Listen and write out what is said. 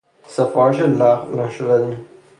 سفارش لغو نشدنی